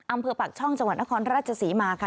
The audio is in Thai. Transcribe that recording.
อำเภอปากช่องจังหวัดนครราชศรีมาค่ะ